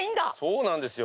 そうなんですよ